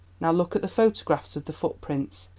Now look at the photographs of the footprints.